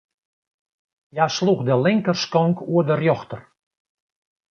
Hja sloech de linkerskonk oer de rjochter.